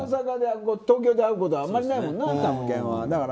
東京で会うことはあまりないから。